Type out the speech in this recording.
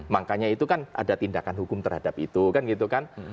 makanya itu kan ada tindakan hukum terhadap itu kan gitu kan